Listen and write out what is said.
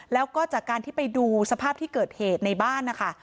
แล้วก็จากการที่ไปดูสภาพที่เกิดเหตุในบ้านนะคะ